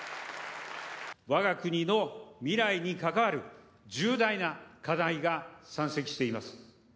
わが国の未来に関わる重大な課題が山積しています。